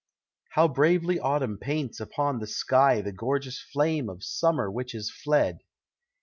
How bravely Autumn paints upon the sky The gorgeous fame of Summer which is fled!